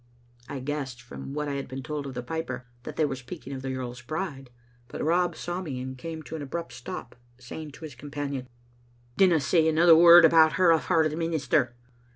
I guessed, from what I had been told of the piper, that they were speaking of the earl's bride ; but Rob saw me and came to an abrupt stop, saying to his companion, /Dinna say another word about her afore the minister.